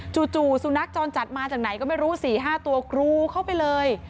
จู่สุนัขจรจัดมาจากไหนก็ไม่รู้๔๕ตัวกรูเข้าไปเลย